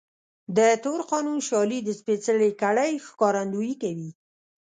د تور قانون شالید سپېڅلې کړۍ ښکارندويي کوي.